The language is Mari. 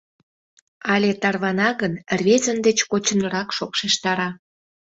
Але тарвана гын, рвезын деч кочынрак шокшештара!